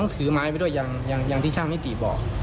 ถือไม้ไปด้วยอย่างที่ช่างมิติบอก